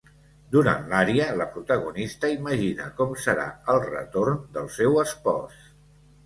Durant l'ària, la protagonista imagina com serà el retorn del seu espòs.